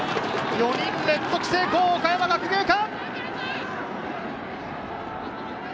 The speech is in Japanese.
４人連続成功、岡山学芸館。